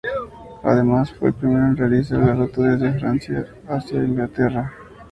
Además, fue el primero en realizar la ruta desde Francia hacia Inglaterra.